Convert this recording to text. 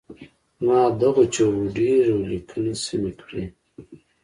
زما غو چیغو ډېرو لیکني سمې کړي.